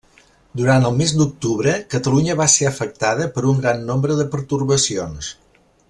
Durant el mes d’octubre, Catalunya va ser afectada per un gran nombre de pertorbacions.